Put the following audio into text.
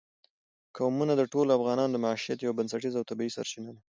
قومونه د ټولو افغانانو د معیشت یوه بنسټیزه او طبیعي سرچینه ده.